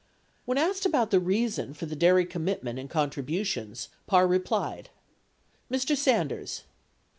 6 When asked about the reason for the dairy commitment and contribu tions, Parr replied : Mr. Sanders.